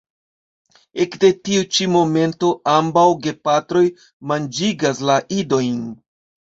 Ekde tiu ĉi momento ambaŭ gepatroj manĝigas la idojn.